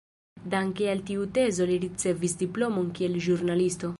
Danke al tiu tezo li ricevis diplomon kiel ĵurnalisto.